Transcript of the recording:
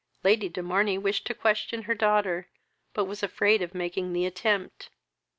Lady de Morney wished to question her daughter, but was afraid of making the attempt.